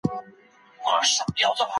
په دې دنيا کي ګوزاره وه ښه دى تېره سوله